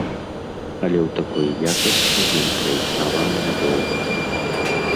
Але ў такой якасці ён праіснаваў нядоўга.